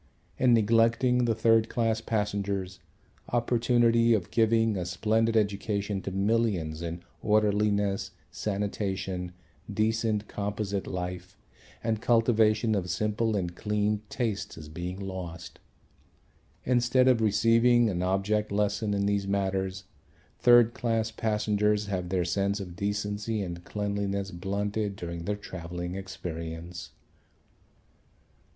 In neglecting the third class passengers, opportunity of giving a splendid education to millions in orderliness, sanitation, decent composite life and cultivation of simple and clean tastes is being lost. Instead of receiving an object lesson in these matters third class passengers have their sense of decency and cleanliness blunted during their travelling experience.